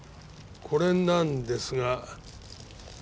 これなんですが。